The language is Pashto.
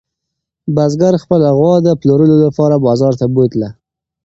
بزګر خپله غوا د پلورلو لپاره بازار ته بوتله.